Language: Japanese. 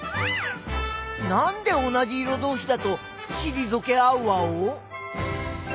なんで同じ色どうしだとしりぞけ合うワオ？